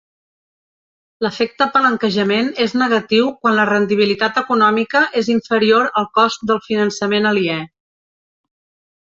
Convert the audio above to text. L'efecte palanquejament és negatiu quan la rendibilitat econòmica és inferior al cost del finançament aliè.